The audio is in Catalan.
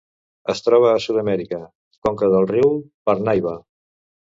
Es troba a Sud-amèrica: conca del riu Parnaíba.